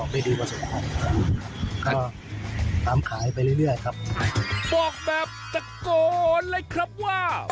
บอกแบบป็อคแบบตะโกณอะไรครับว่า